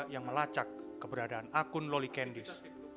yang melacak keberadaan akun loli candis